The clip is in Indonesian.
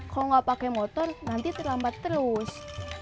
kalau nggak pakai motor nanti terlambat terus